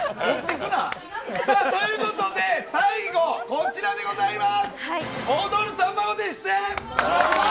持ってくるな。ということで、最後、こちらでございます。